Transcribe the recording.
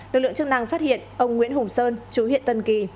lực lượng chức năng phát hiện ông nguyễn hùng sơn chú huyện tân kỳ